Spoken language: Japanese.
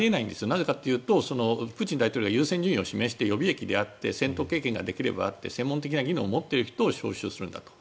なぜかというとプーチン大統領は優先順位を示して予備役であって戦闘経験ができればって専門知識を持っている人を招集するんだと。